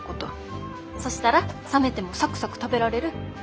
そしたら冷めてもサクサク食べられる。